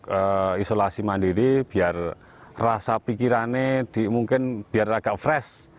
untuk isolasi mandiri biar rasa pikirannya mungkin biar agak fresh